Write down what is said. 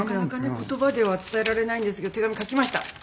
言葉では伝えられないんですけど手紙書きました。